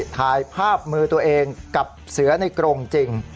ถ่ายภาพมือตัวเองกับเสือในกรงจริง